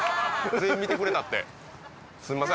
全員見てくれたってすみません